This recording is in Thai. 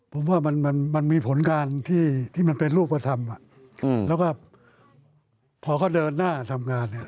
ผมว่ามันมีผลการที่มันเป็นรูปธรรมแล้วก็พอเขาเดินหน้าทำงานเนี่ย